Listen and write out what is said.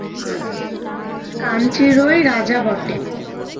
কাঞ্চীরই রাজা বটে।